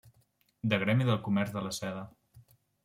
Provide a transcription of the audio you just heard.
De gremi del comerç de la seda.